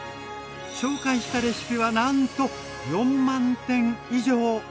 紹介したレシピはなんと４万点以上！